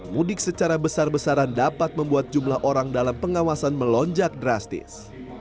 mudik secara besar besaran dapat membuat jumlah orang dalam pengawasan melonjak drastis